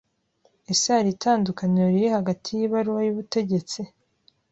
Ese hari itandukaniro riri hagati y’ibaruwa y’ubutegetsi